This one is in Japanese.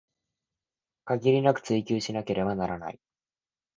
限りなく追求しなければならない